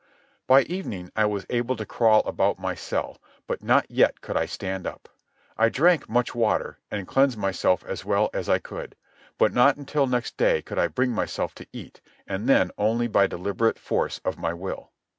By evening I was able to crawl about my cell, but not yet could I stand up. I drank much water, and cleansed myself as well as I could; but not until next day could I bring myself to eat, and then only by deliberate force of my will.